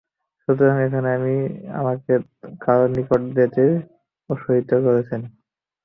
সুতরাং এখন আপনি আমাকে কার নিকট যেতে অসীয়ত করছেন?